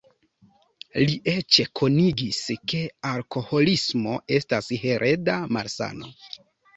Li eĉ konigis, ke alkoholismo estas hereda malsano.